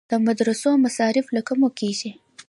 د مدرسو مصارف له کومه کیږي؟